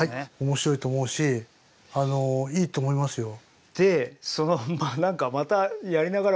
面白いと思うしあのいいと思いますよ。